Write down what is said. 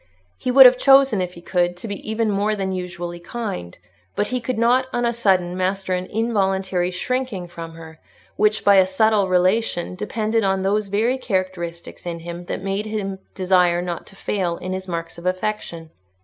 He would have chosen, if he could, to be even more than usually kind; but he could not, on a sudden, master an involuntary shrinking from her, which, by a subtle relation, depended on those very characteristics in him that made him desire not to fail in his marks of affection.